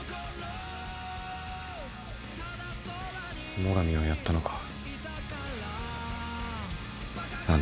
最上をやったのかあの野郎。